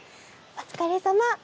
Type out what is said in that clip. お疲れさま！